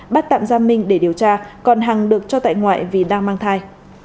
bắt tạm ra minh để điều tra còn hằng được cho tại ngoại vì đang mang thai